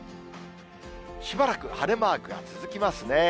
しばらく晴れマークが続きますね。